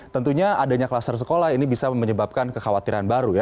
tentunya adanya klaster sekolah ini bisa menyebabkan kekhawatiran